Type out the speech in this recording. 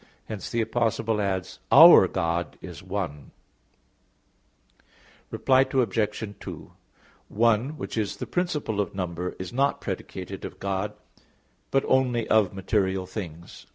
Hence the Apostle adds: "Our God is one," etc. Reply Obj. 2: "One" which is the principle of number is not predicated of God, but only of material things.